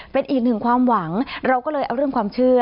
เป็นอีกหนึ่งความหวังเราก็เลยเอาเรื่องความเชื่อ